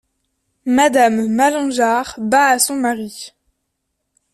Madame Malingear , bas à son mari.